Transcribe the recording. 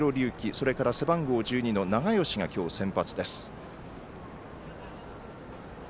それから背番号１２の永吉が今日、先発です。